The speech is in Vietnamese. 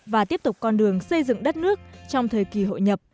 và tiếp tục con đường xây dựng đất nước trong thời kỳ hội nhập